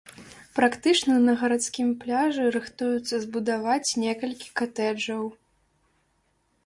Практычна на гарадскім пляжы рыхтуюцца збудаваць некалькі катэджаў.